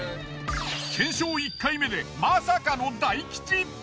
検証１回目でまさかの大吉！